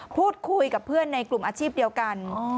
พูดคุยกับเพื่อนในกลุ่มอาชีพเดียวกัน